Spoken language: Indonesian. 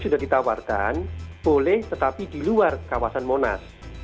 sudah ditawarkan boleh tetapi di luar kawasan monas